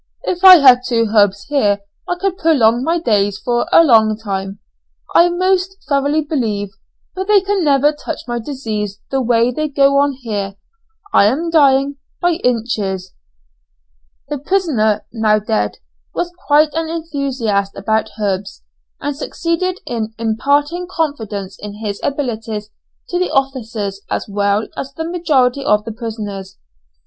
"If I had two herbs here I could prolong my days for a long time, I most thoroughly believe, but they can never touch my disease the way they go on here I am dying by inches." This prisoner (now dead) was quite an enthusiast about herbs, and succeeded in imparting confidence in his abilities to the officers as well as the majority of the prisoners.